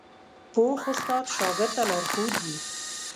پوخ استاد شاګرد ته لارښود وي